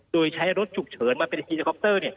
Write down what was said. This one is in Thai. โดยใช้รถฉุกเฉินมาเป็นฮีสคอปเตอร์